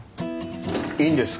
いいんですか？